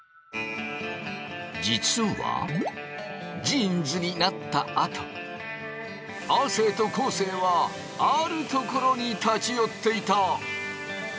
実はジーンズになったあと亜生と昴生はある所に立ち寄っていた！